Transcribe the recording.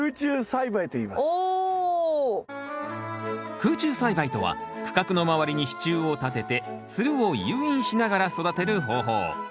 空中栽培とは区画の周りに支柱を立ててつるを誘引しながら育てる方法。